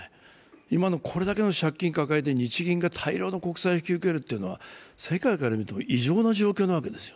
今のこれだけの借金を抱えて、日銀が大量の国債を引き受けるというのは世界から見ると異常な状態なわけです。